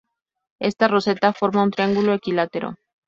Esta roseta forma un triángulo equilátero.